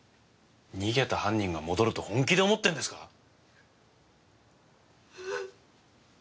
逃げた犯人が戻ると本気で思ってんですか？